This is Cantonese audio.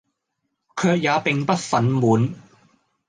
卻也並不憤懣，